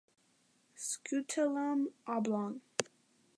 Scutellum oblong.